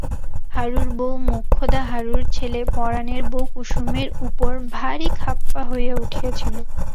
হারুর বৌ মোক্ষদা হারুর ছেলে পরাণের বৌ কুসুমের উপর ভারি খাপ্পা হইয়া উঠিয়াছিল।